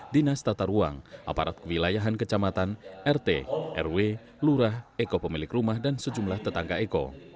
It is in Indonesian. dinas tata ruang aparat kewilayahan kecamatan rt rw lurah eko pemilik rumah dan sejumlah tetangga eko